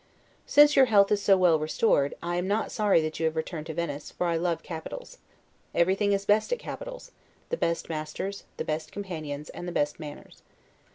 Since your health is so well restored, I am not sorry that you have returned to Venice, for I love capitals. Everything is best at capitals; the best masters, the best companions, and the best manners.